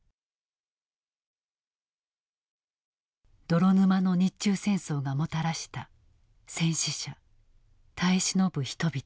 泥沼の日中戦争がもたらした戦死者耐え忍ぶ人々。